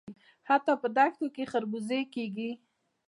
حتی په دښتو کې خربوزې کیږي.